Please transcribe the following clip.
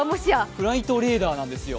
フライトレーダーなんですよ。